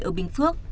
ở bình phước